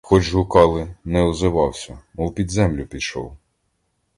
Хоч гукали — не озивався, мов під землю пішов.